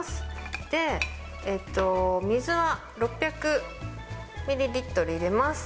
で、水は６００ミリリットル入れます。